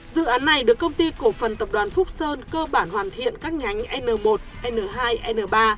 dự án này được công ty cổ phần tập đoàn phúc sơn cơ bản hoàn thiện các nhánh n một n hai n ba